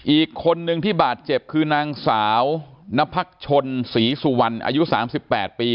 อีกคนนึงที่บาดเจ็บคือนางสาวนพักชนศรีสุวรรณอายุ๓๘ปี